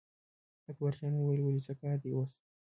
اکبرجان وویل ولې څه کار دی اوس.